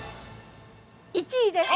１位です。